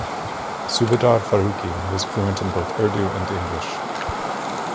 Subedar Farooqi was fluent in both Urdu and English.